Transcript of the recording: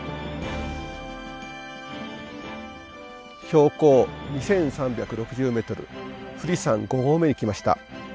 標高２，３６０ｍ富士山五合目に来ました。